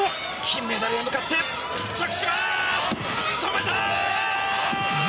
金メダルへ向かって着地、止めた！